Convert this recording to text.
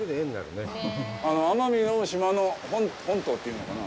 奄美大島の本島、本島というのかな？